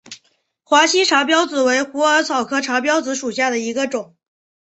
华西茶藨子为虎耳草科茶藨子属下的一个种。